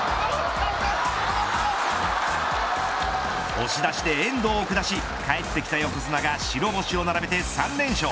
押し出しで遠藤を下し帰ってきた横綱が白星を並べて３連勝。